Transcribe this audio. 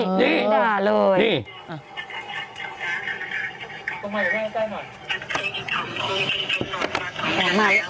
ใช่ด่าเลย